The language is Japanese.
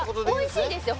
おいしいですよ